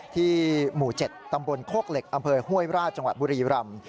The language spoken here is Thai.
หมู่๗ตำบลโคกเหล็กอำเภอห้วยราชจังหวัดบุรีรำ